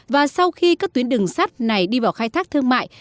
và sau khi các tuyến đường sắt này đi vào khai thác thương mại